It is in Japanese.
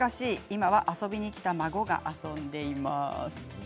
今は遊びにきた孫が遊んでいます。